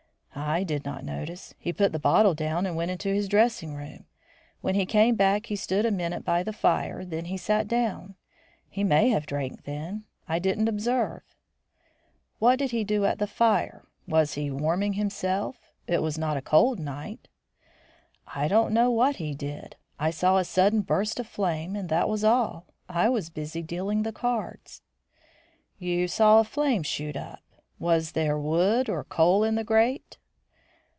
"I did not notice. He put the bottle down and went into his dressing room. When he came back he stood a minute by the fire, then he sat down. He may have drank then. I didn't observe." "What did he do at the fire? Was he warming himself? It was not a cold night." "I don't know what he did. I saw a sudden burst of flame, but that was all. I was busy dealing the cards." "You saw a flame shoot up. Was there wood or coal in the grate?"